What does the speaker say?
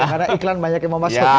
karena iklan banyak yang mau masuk